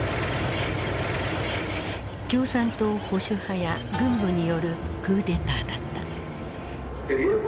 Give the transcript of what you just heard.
共産党保守派や軍部によるクーデターだった。